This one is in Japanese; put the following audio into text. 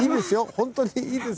本当にいいです。